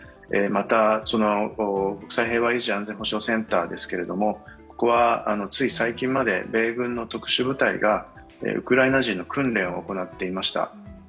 また、国際平和維持・安全保障センターですけれども、ここはつい最近まで米軍の特殊部隊がウクライナ人の訓練を行っていました。